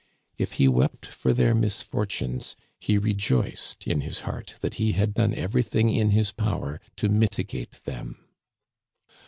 If he wept for their misfortunes, he rejoiced in his heart that he had done everything in his power to mitigate them.